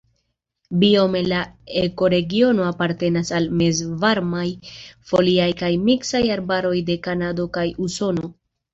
Biome la ekoregiono apartenas al mezvarmaj foliaj kaj miksaj arbaroj de Kanado kaj Usono.